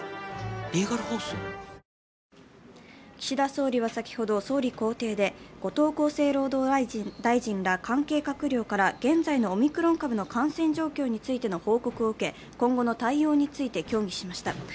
岸田総理は先ほど、総理公邸で後藤厚生労働大臣ら関係閣僚から現在のオミクロン株の感染状況についての報告を受け、今後の対応について協議しました。